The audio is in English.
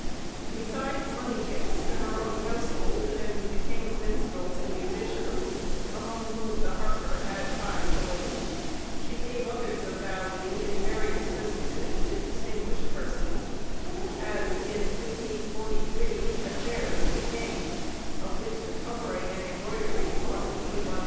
Besides money gifts to her own household, and to the king's minstrels and musicians, among whom the harper had 5_s._, she gave others of value in various Christmasses to distinguished persons; as, in 1543, a chair to the king, of which the covering and embroidery cost £21 6_s.